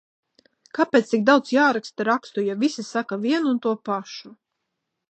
Kāpēc tik daudz jāraksta rakstu, ja visi saka vienu un to pašu?